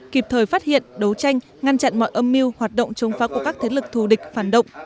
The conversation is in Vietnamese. kịp thời phát hiện đấu tranh ngăn chặn mọi âm mưu hoạt động chống phá của các thế lực thù địch phản động